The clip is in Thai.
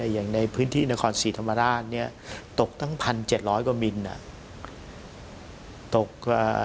อย่างในพื้นที่นครศรีธรรมราชตกตั้ง๑๗๐๐กว่ามิลตก